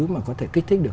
mà có thể kích thích được